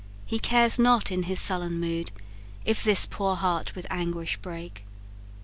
He cares not, in his sullen mood, If this poor heart with anguish break.'